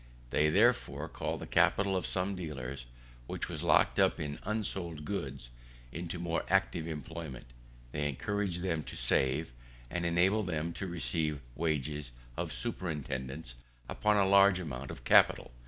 They, therefore, call the capital of some dealers, which was locked up in unsold goods, into more active employment. They encourage them to save, and enable them to receive wages of superintendance upon a larger amount of capital.